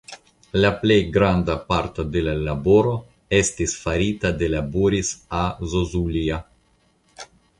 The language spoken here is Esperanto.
Plej granda parto de la laboro estis farita de Boris A. Zozulja.